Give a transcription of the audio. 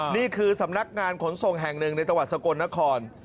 นี่คือสำนักงานขนส่งแห่งหนึ่งในจังหวัดสกลนคร